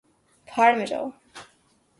بھاڑ میں جاؤ